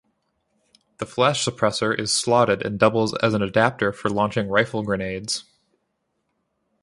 The flash suppressor is slotted and doubles as an adapter for launching rifle grenades.